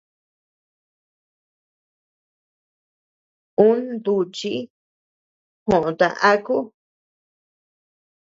Un duchi joota aku.